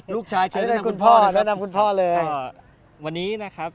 ลูกชายเชิญแนะนำคุณพ่อนะครับ